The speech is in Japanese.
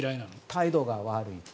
態度が悪いと。